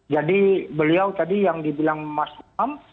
jadi beliau tadi yang dibilang masuk ke dalam